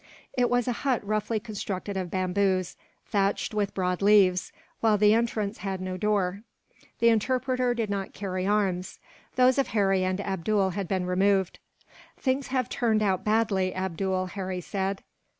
It was a hut roughly constructed of bamboos, thatched with broad leaves, while the entrance had no door. The interpreter did not carry arms; those of Harry and Abdool had been removed. "Things have turned out badly, Abdool," Harry said.